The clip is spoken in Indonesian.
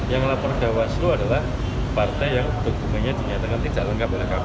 yang lapor ke bawaslu adalah partai yang dokumennya dinyatakan tidak lengkap oleh kpu